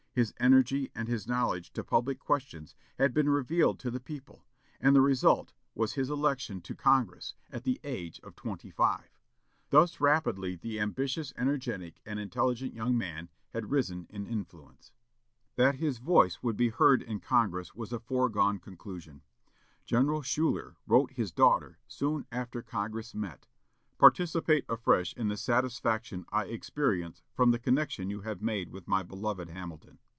His energy and his knowledge of public questions had been revealed to the people; and the result was his election to Congress, at the age of twenty five. Thus rapidly the ambitious, energetic, and intelligent young man had risen in influence. That his voice would be heard in Congress was a foregone conclusion. General Schuyler wrote his daughter soon after Congress met: "Participate afresh in the satisfaction I experience from the connection you have made with my beloved Hamilton.